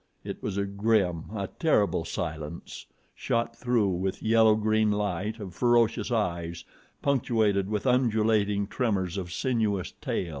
It was a grim, a terrible silence, shot through with yellow green light of ferocious eyes, punctuated with undulating tremors of sinuous tail.